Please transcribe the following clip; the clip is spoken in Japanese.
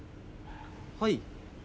はい。